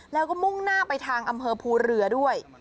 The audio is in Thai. แล้วก็มุ่งหน้าไปทางอำเภอภูเรือด้วย